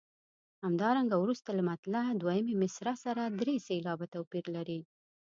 همدارنګه وروسته له مطلع دویمې مصرع سره درې سېلابه توپیر لري.